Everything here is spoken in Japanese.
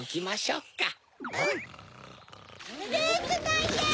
うん！